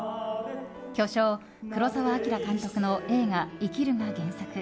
巨匠・黒澤明監督の映画「生きる」が原作。